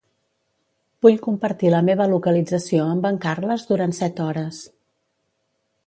Vull compartir la meva localització amb en Carles durant set hores.